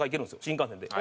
新幹線で。